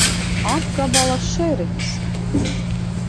Apgabala šerifs!